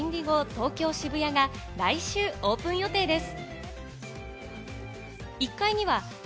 東京渋谷が来週オープン予定です。